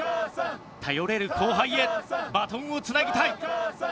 頼れる後輩へバトンをつなぎたい。